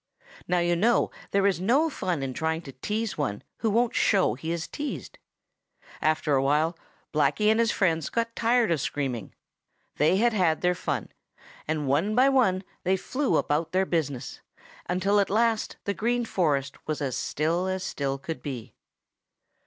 Now you know there is no fun in trying to tease one who won't show he is teased. After a while Blacky and his friends got tired of screaming. They had had their fun, and one by one they flew about their business until at last the Green Forest was as still as still could be.